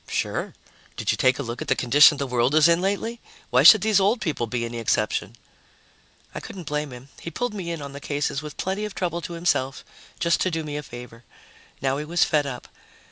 "Sure. Did you take a look at the condition the world is in lately? Why should these old people be any exception?" I couldn't blame him. He'd pulled me in on the cases with plenty of trouble to himself, just to do me a favor. Now he was fed up.